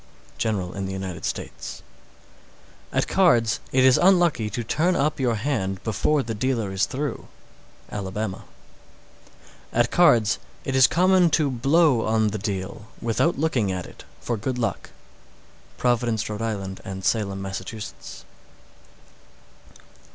General in the United States. 610. At cards, it is unlucky to turn up your hand before the dealer is through. Alabama. 611. At cards, it is common to blow on the deal, without looking at it, for good luck. Providence, R.I., and Salem, Mass. DAYS.